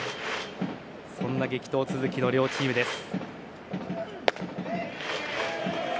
そんな激闘続きの両チームです。